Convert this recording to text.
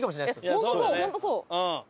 本当そう本当そう。